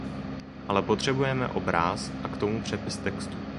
Ale potřebujeme obráz a k tomu přepis textu.